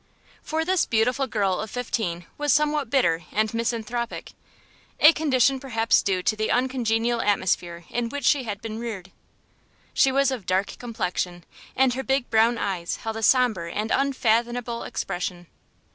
For this beautiful girl of fifteen was somewhat bitter and misanthropic, a condition perhaps due to the uncongenial atmosphere in which she had been reared. She was of dark complexion and her big brown eyes held a sombre and unfathomable expression.